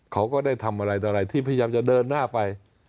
เขาก็ได้ทำอะไรต่ออะไรที่พยายามจะเดินหน้าไป